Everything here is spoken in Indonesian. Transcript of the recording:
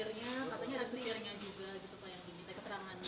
sikirnya katanya ada sikirnya juga